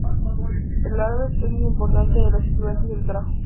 El Alberche es el más importante de los afluentes del Tajo.